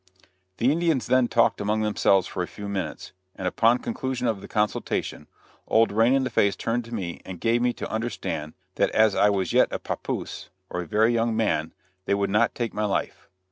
The Indians then talked among themselves for a few minutes, and upon the conclusion of the consultation, old Rain in the Face turned to me and gave me to understand that as I was yet a "papoose," or a very young man, they would not take my life.